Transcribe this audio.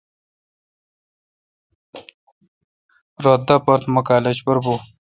رل دا پتا مہ کالج پر بھون